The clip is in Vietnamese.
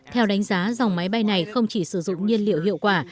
theo đánh giá dòng máy bay này không chỉ sử dụng nhiên liệu hiệu quả